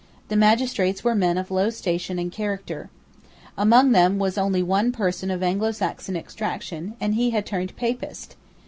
The magistrates were men of low station and character. Among them was only one person of Anglosaxon extraction; and he had turned Papist.